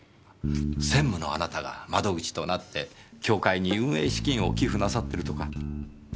専務のあなたが窓口となって協会に運営資金を寄付なさってるとか。